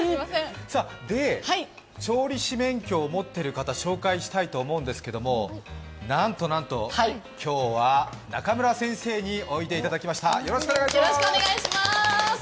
で、調理師免許を持った方、紹介したいと思うんですけどなんとなんと、今日は、中村先生においでいただきました、よろしくお願いします。